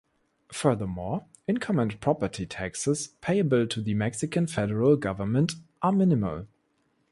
Furthermore, income and property taxes payable to the Mexican Federal Government are minimal.